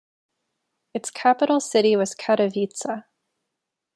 Its capital city was Katowice.